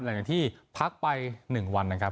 แหล่งที่พักไปหนึ่งวันนะครับ